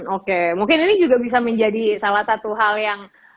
oke mungkin ini juga bisa menjadi salah satu hal yang